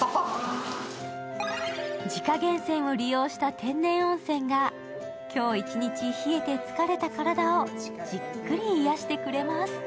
自家源泉を利用した天然温泉が今日一日冷えて疲れた体をじっくり癒やしてくれます。